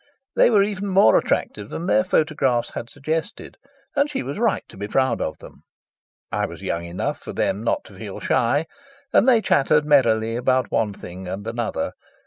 They were even more attractive than their photographs had suggested, and she was right to be proud of them. I was young enough for them not to feel shy, and they chattered merrily about one thing and another.